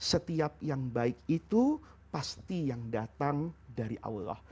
setiap yang baik itu pasti yang datang dari allah